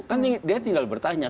kan dia tinggal bertanya